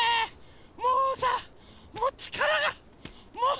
もうさもうちからがもう。